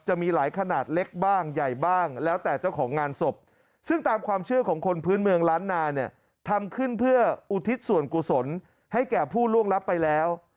จะมีหลายขนาดเล็กบ้างใหญ่บ้างแล้วแต่เจ้าของงานศพซึ่งตามความเชื่อของคนพื้นเมืองล้านนาเนี่ยทำขึ้นเพื่ออุทิศส่วนกุศลให้แก่ผู้ล่วงรับไปแล้ว